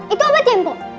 itu obat ya mpok